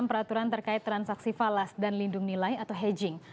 peraturan terkait transaksi falas dan lindung nilai atau hedging